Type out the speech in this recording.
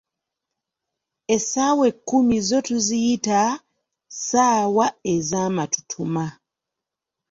Essaawa ekkumi zo tuziyita, "ssaawa ezamatutuma"